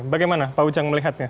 bagaimana pak ujang melihatnya